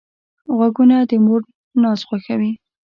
غوږونه د مور ناز خوښوي